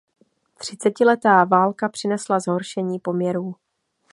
Třicetiletá válka přinesla zhoršení poměrů.